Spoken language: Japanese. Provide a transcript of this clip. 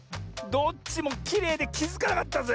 どっちもきれいできづかなかったぜ。